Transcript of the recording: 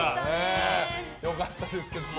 良かったですけども。